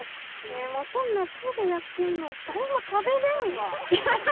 ねえもうそんな手でやってんの誰も食べれんわ！